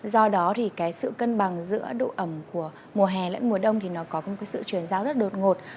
do đó sự cân bằng giữa độ ẩm của mùa hè lẫn mùa đông có sự chuyển dao rất đột ngột